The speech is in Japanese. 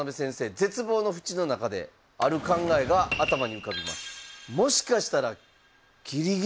絶望のふちの中である考えが頭に浮かびます。